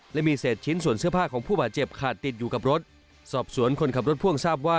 และมีเศษชิ้นส่วนเสื้อผ้าของผู้บาดเจ็บขาดติดอยู่กับรถสอบสวนคนขับรถพ่วงทราบว่า